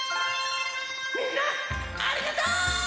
みんなありがとう！